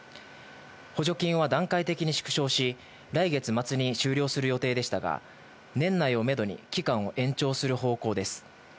補助金は段階的に縮小し、来月末に終了する予定でしたが、年内をめどに期間を延長する方向です。